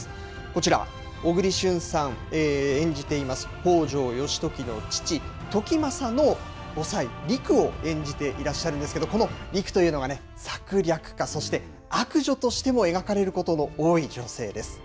こちら、小栗旬さん演じています北条義時の父、時政の後妻、りくを演じていらっしゃるんですけれども、このりくというのがね、策略家、そして悪女としても描かれることの多い女性です。